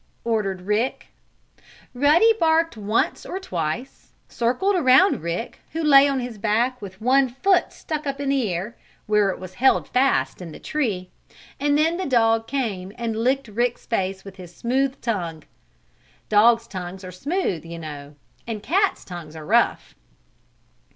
ordered Rick. Ruddy barked once or twice, circled around Rick who lay on his back with one foot stuck up in the air, where it was held fast in the tree, and then the dog came and licked Rick's face with his smooth tongue. Dog's tongues are smooth, you know, and cat's tongues are rough.